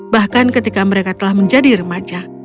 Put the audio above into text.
bahkan ketika mereka telah menjadi remaja